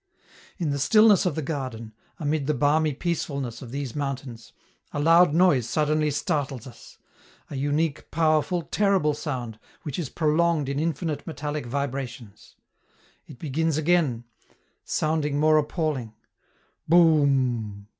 In the stillness of the garden, amid the balmy peacefulness of these mountains, a loud noise suddenly startles us; a unique, powerful, terrible sound, which is prolonged in infinite metallic vibrations. It begins again, sounding more appalling: 'Boum!